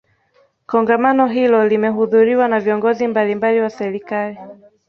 kongamano hilo limehudhuriwa na viongozi mbalimbali wa serikali